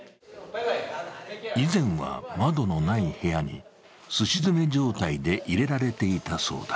以前は、窓のない部屋にすし詰め状態で入れられていたそうだ。